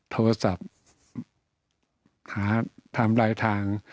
โทรศัพท์หาทำลายทาง